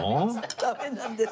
ダメなんですか。